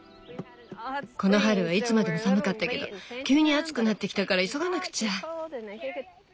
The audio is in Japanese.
この春はいつまでも寒かったけど急に暑くなってきたから急がなくちゃ。